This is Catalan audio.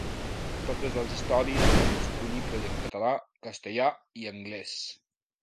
Totes les històries estan disponibles en català, castellà i anglès.